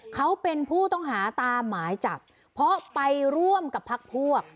เขาเป็นผู้ต้องหาตามหมายจับเพราะไปร่วมกับพักพวก